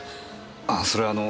ああそれはあの。